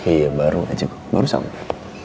iya baru aja baru sampai